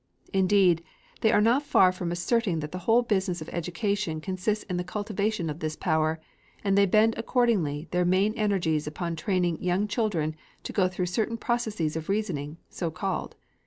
Indeed, they are not far from asserting that the whole business of education consists in the cultivation of this power, and they bend accordingly their main energies upon training young children to go through certain processes of reasoning, so called.